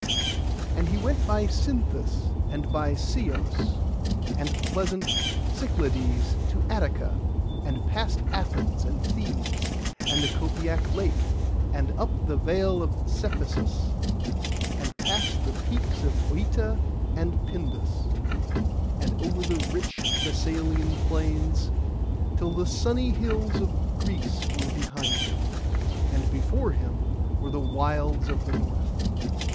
And he went by Cythnus, and by Ceos, and the pleasant Cyclades to Attica; and past Athens and Thebes, and the Copaic lake, and up the vale of Cephissus, and past the peaks of Œta and Pindus, and over the rich Thessalian plains, till the sunny hills of Greece were behind him, and before him were the wilds of the north.